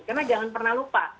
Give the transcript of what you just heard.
karena jangan pernah lupa